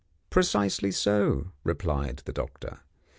"Precisely so," replied the doctor.